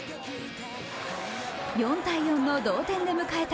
４−４の同点で迎えた